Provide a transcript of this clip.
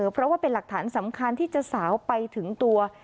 เพราะว่าเป็นหลักฐานสำคัญที่จะสาวไปถึงตัว